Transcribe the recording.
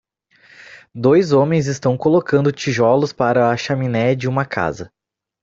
Dois homens estão colocando tijolos para a chaminé de uma casa.